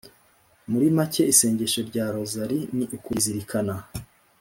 muri make isengesho rya rozali ni ukuzirikana